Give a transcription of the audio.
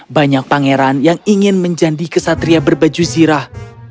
banyak pangeran yang ingin menjadi kesatria berbaju zirah